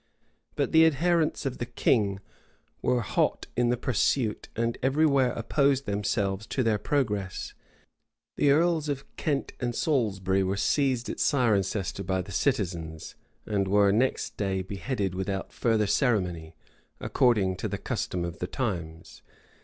But the adherents of the king were hot in the pursuit, and every where opposed themselves to their progress. The earls of Kent and Salisbury were seized at Cirencester by the citizens, and were next day beheaded without further ceremony, according to the custom of the times.